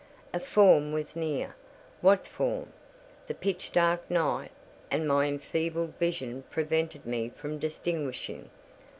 A form was near—what form, the pitch dark night and my enfeebled vision prevented me from distinguishing.